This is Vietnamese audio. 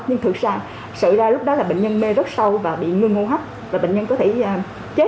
nhưng thực ra sự ra lúc đó là bệnh nhân mê rất sâu và bị ngưng hô hấp và bệnh nhân có thể chết